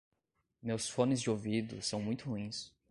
Meus fones de ouvido são muito ruins.